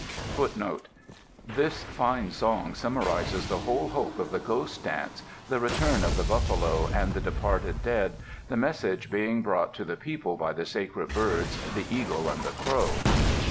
[C] FOOTNOTE: [C] "This fine song summarizes the whole hope of the Ghost dance the return of the buffalo and the departed dead, the message being brought to the people by the sacred birds, the Eagle and the Crow."